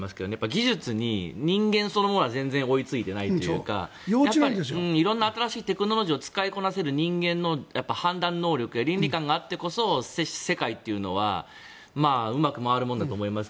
技術に人間そのものが追いついていないというか色んな新しいテクノロジーを使いこなせる人間の判断力や倫理観があってこそ世界というのはうまく回るものだと思います。